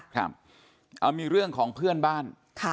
ครับเอามีเรื่องของเพื่อนบ้าน